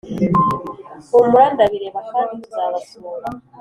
humura ndabireba kandi tuzabasura